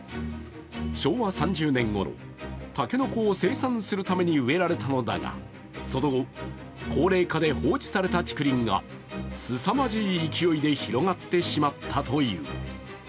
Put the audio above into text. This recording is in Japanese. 昭和３０年ごろ竹の子を生産するために植えられたのだが、その後、高齢化で放置された竹林がすさまじい勢いで広がってしまったという。